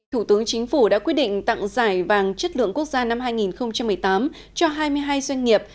thủ tướng chính phủ đã quyết định tặng giải vàng chất lượng quốc gia năm hai nghìn một mươi tám cho hai mươi hai doanh nghiệp